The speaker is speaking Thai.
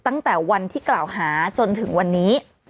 ตั้งแต่วันที่กล่าวหาจนถึงวันนี้